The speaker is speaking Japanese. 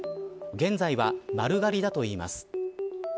現在は丸刈りだといいます。